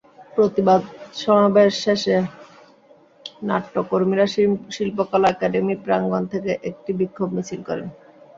প্রতিবাদ সমাবেশ শেষে নাট্যকর্মীরা শিল্পকলা একাডেমি প্রাঙ্গণ থেকে একটি বিক্ষোভ মিছিল করেন।